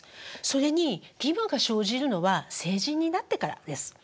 それに義務が生じるのは成人になってからです。